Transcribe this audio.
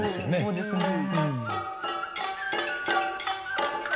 そうですよね。